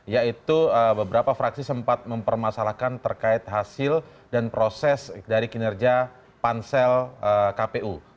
yaitu beberapa fraksi sempat mempermasalahkan terkait hasil dan proses dari kinerja pansel kpu